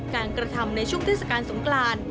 กระทำในช่วงเทศกาลสงกราน